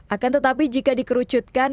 akan tetapi jika dikerucutkan